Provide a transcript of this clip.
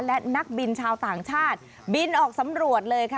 และนักบินชาวต่างชาติบินออกสำรวจเลยค่ะ